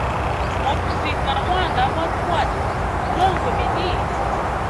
Motusiga na mwanda abwatabwata, tulongwe bini?